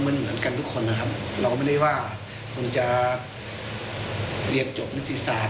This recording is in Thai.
มันเหมือนกันทุกคนนะครับเราก็ไม่ได้ว่าคุณจะเรียนจบนิติศาสต